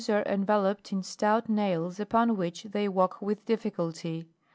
93 enveloped in stout nails upon which they walk with difficulty.